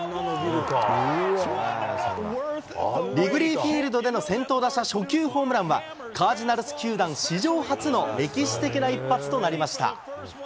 フィールドでの先頭打者初球ホームランは、カージナルス球団史上初の歴史的な一発となりました。